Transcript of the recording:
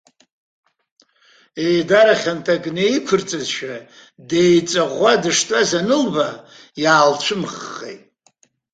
Еидара хьанҭак наиқәырҵазшәа, деиҵаӷәӷәа дыштәаз анылба, иаалцәымыӷхеит.